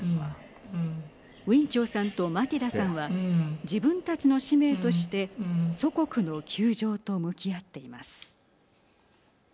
ウィン・チョウさんとマティダさんは自分たちの使命として祖国の窮状と向き合っています。